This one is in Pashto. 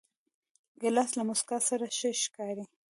ګیلاس له موسکا سره ښه ښکاري.